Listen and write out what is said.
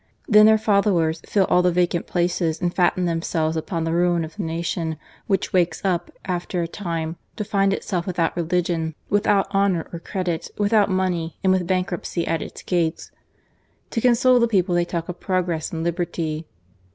Then their followers fill all the vacant places and fatten themselves upon the ruin of the nation, which wakes up, after a time, to find itself without religion, without honour or credit, without money, and with bankruptcy at its gates. To console the people they talk of progress and liberty.